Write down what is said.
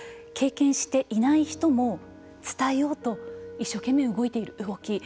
経験していない人も伝えようと一生懸命動いている動き